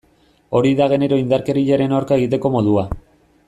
Hori da genero indarkeriaren aurka egiteko modua.